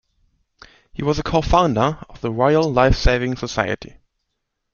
He was a co-founder of the Royal Life Saving Society.